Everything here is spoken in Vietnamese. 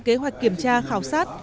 kế hoạch kiểm tra khảo sát